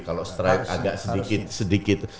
kalau menarik agak sedikit